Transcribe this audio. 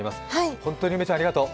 本当に梅ちゃん、ありがとう。